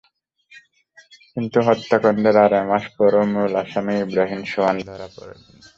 কিন্তু হত্যাকাণ্ডের আড়াই মাস পরও মূল আসামি ইব্রাহিম সোহান ধরা পড়েননি।